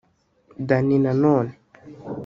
Danny Nanone